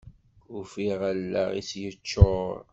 Ufiɣ allaɣ-is yeččur.